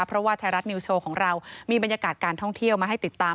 เพราะว่าไทยรัฐนิวโชว์ของเรามีบรรยากาศการท่องเที่ยวมาให้ติดตาม